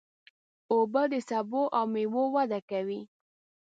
اوبه د سبو او مېوو وده کوي.